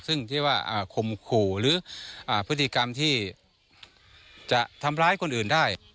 ซึ่งที่ว่าข่มขู่หรือพฤติกรรมที่จะทำร้ายคนอื่นได้